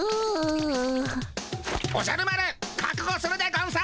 おじゃる丸かくごするでゴンス。